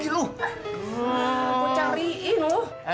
gila bener nah